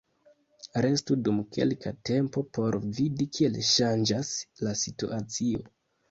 Restu dum kelka tempo por vidi kiel ŝanĝas la situacio.